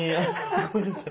ごめんなさい。